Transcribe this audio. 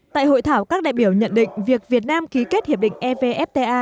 tại hội thảo các đại biểu nhận định việc việt nam ký kết hiệp định evfta